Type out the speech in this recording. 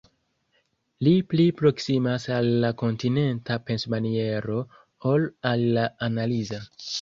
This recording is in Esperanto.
Li pli proksimas al la kontinenta pensmaniero ol al la analiza.